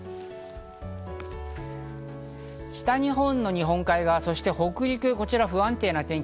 北日本の日本海側、そして北陸、こちら不安定な天気。